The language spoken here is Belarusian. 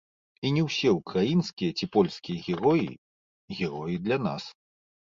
І не ўсе ўкраінскія ці польскія героі, героі для нас.